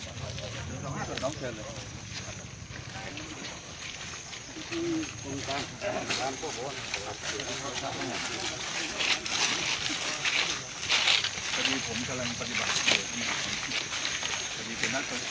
สวัสดีครับคุณผู้ชม